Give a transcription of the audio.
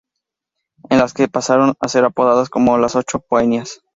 En las que pasaron a ser apodadas como las "Ocho Peonías".